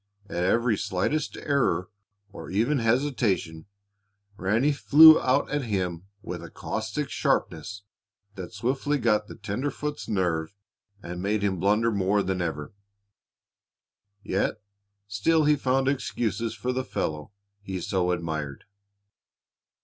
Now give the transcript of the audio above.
At every slightest error, or even hesitation, Ranny flew out at him with a caustic sharpness that swiftly got the tenderfoot's nerve and made him blunder more than ever. Yet still he found excuses for the fellow he so admired.